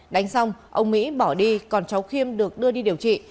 đánh xong ông mỹ bỏ đi còn cháu khiêm được đưa đi điều trị